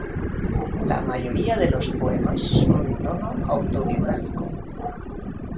La mayoría de los poemas son de tono autobiográfico.